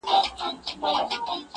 زاړه ښارونه تاریخي ارزښت لري